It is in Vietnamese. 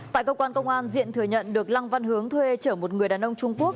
tại cơ quan công an diện thừa nhận được lăng văn hướng thuê trở một người đàn ông trung quốc